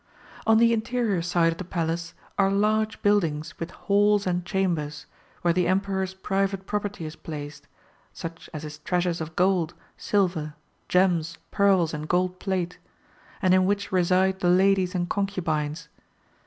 [On the interior side of the Palace are large build ings with halls and chambers, where the Emperor's private property is placed, such as his treasures of gold, silver, gems, pearls, and gold plate, and in which reside the ladies and concubines.